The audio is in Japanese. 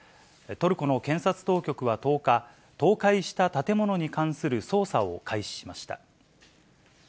トルコの検察当局は１０日、倒壊した建物に関する捜査を開始しました。